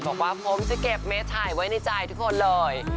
บอกว่าผมจะเก็บเมสถ่ายไว้ในใจทุกคนเลย